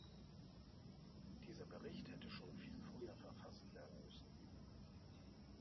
Dieser Bericht hätte schon viel früher verfasst werden müssen.